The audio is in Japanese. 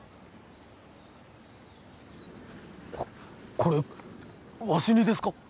これわしにですか！？